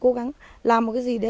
có nghĩa là tôi không